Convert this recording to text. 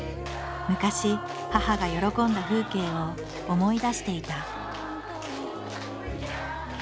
昔母が喜んだ風景を思い出していた。